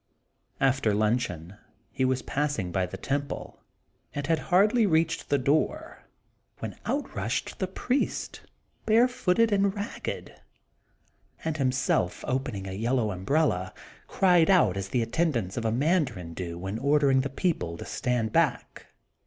After luncheon he was passing by the temple, and had hardly reached the door, when out rushed the priest, barefooted and ragged, and himself opening a yellow umbrella, cried out as the attendants of a mandarin do when ordering the people to stand back.